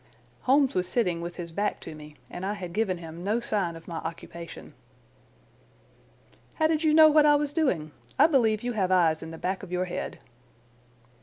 Holmes was sitting with his back to me, and I had given him no sign of my occupation. "How did you know what I was doing? I believe you have eyes in the back of your head."